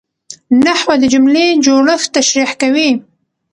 نحوه د جملې جوړښت تشریح کوي.